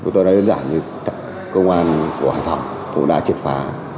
tôi nói dễ dàng như công an của hải phòng cũng đã triệt phá